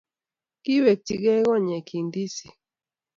Kiwekchikei konyekchi ndisik